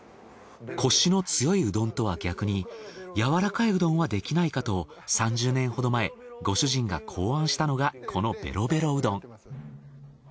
コシの強いうどんとは逆にやわらかいうどんはできないかと３０年ほど前ご主人が考案したのがこのベロベロうどん。